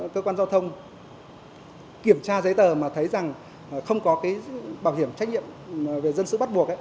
cơ quan giao thông kiểm tra giấy tờ mà thấy rằng không có bảo hiểm trách nhiệm về dân sự bắt buộc